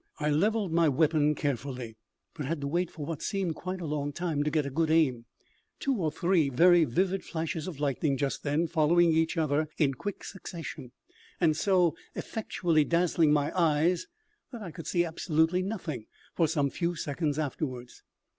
I levelled my weapon carefully, but had to wait for what seemed quite a long time to get a good aim; two or three very vivid flashes of lightning just then following each other in quick succession, and so effectually dazzling my eyes that I could see absolutely nothing for some few seconds afterwards.